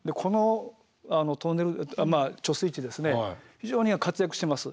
非常に活躍してます。